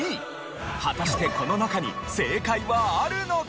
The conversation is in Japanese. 果たしてこの中に正解はあるのか？